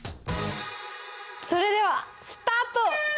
それではスタート！